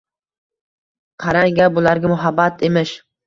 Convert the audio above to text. qarang-a, bularga! Muhabbat emish!